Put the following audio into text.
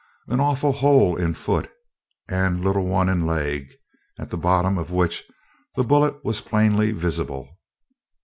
An awful hole in foot and little one in leg, at the bottom of which the bullet was plainly visible.